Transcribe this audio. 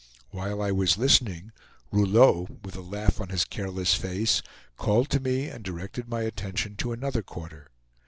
While I was listening, Rouleau, with a laugh on his careless face, called to me and directed my attention to another quarter.